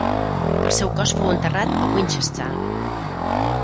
El seu cos fou enterrat a Winchester.